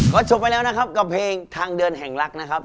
ก็จบไปแล้วนะครับกับเพลงทางเดินแห่งรักนะครับ